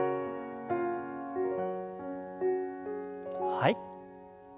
はい。